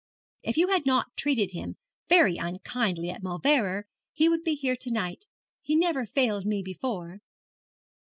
'If you had not treated him very unkindly at Mauleverer he would be here to night. He never failed me before.'